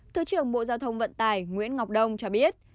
thứ trưởng bộ giao thông vận tải nguyễn ngọc đông cho biết